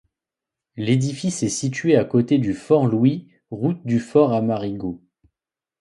L'édifice est situé à côté du Fort Louis route du Fort à Marigot.